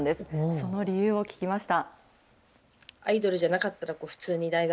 その理由を聞きました。